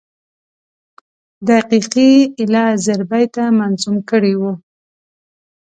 دقیقي ایله زر بیته منظوم کړي وو.